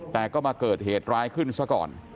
แต่ก็มาเกิดเหตุร้ายขึ้นซะก่อน